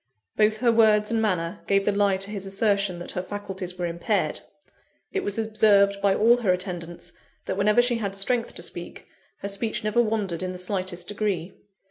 Both her words and manner gave the lie to his assertion that her faculties were impaired it was observed by all her attendants, that whenever she had strength to speak, her speech never wandered in the slightest degree.